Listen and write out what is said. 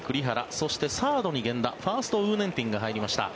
そして、サードに源田ファーストに呉念庭が入りました。